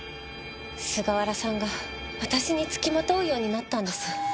菅原さんが私に付きまとうようになったんです。